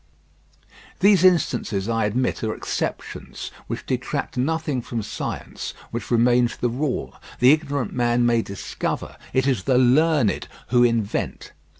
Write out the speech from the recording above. These instances I admit are exceptions, which detract nothing from science, which remains the rule. The ignorant man may discover; it is the learned who invent.